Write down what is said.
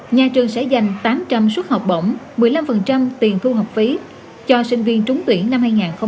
nhà trường sẽ dành tám trăm linh suất học bổng một mươi năm tiền thu học phí cho sinh viên trúng tuyển năm hai nghìn hai mươi